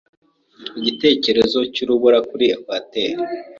igitekerezo cy'urubura kuri ekwateri.